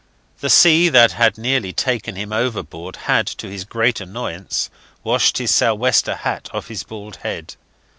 The sea that had nearly taken him overboard had, to his great annoyance, washed his sou' wester hat off his bald head.